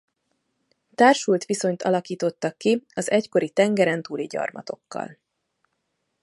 Társult viszonyt alakítottak ki az egykori tengerentúli gyarmatokkal.